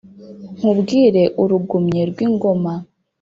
nkubwire urugumye rw’ingom